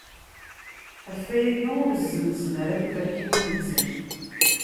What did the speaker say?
Ɣef wayagi ur zzenzen ara tiferkiwin-nsen.